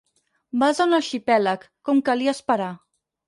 Vas a un arxipèlag, com calia esperar.